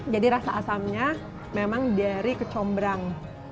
jadi rasa asamnya memang dari kecombrang